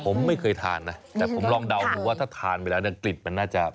ผมไม่เคยทานนะแต่ผมลองเดาดูว่าถ้าทานไปแล้วเนี่ยกลิ่นมันน่าจะ